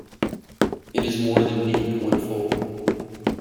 It is more than deep when full.